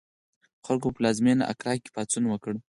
خلکو په پلازمېنه اکرا کې پاڅون وکړ.